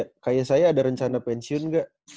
kayak saya ada rencana pensiun gak